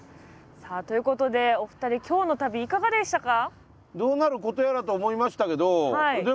さあということでお二人今日の旅いかがでしたか？